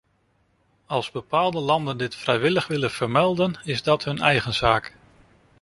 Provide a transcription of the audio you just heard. Als bepaalde landen dit vrijwillig willen vermelden, is dat hun eigen zaak.